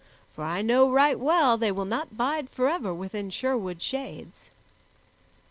For I know right well they will not bide forever within Sherwood shades."